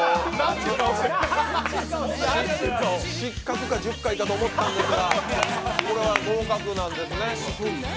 失格か１０回かと思ったんですがこれは合格なんですね。